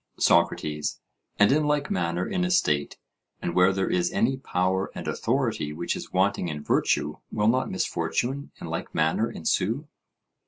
SOCRATES: And in like manner, in a state, and where there is any power and authority which is wanting in virtue, will not misfortune, in like manner, ensue?